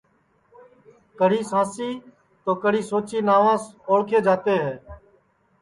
کڑی سانسی تو کڑی سوچی ناوس پیچاٹؔے جاتے ہے